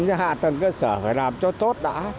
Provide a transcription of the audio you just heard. nhưng hạ tầng cơ sở phải làm cho tốt đã